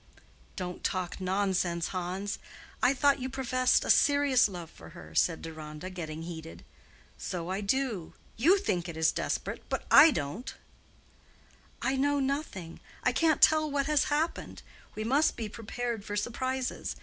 "Don't talk nonsense, Hans. I thought you professed a serious love for her," said Deronda, getting heated. "So I do. You think it desperate, but I don't." "I know nothing; I can't tell what has happened. We must be prepared for surprises.